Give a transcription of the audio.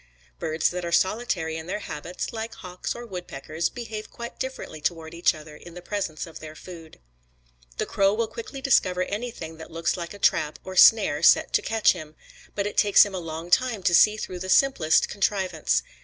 Birds that are solitary in their habits, like hawks or woodpeckers, behave quite differently toward each other in the presence of their food. The crow will quickly discover anything that looks like a trap or snare set to catch him, but it takes him a long time to see through the simplest contrivance.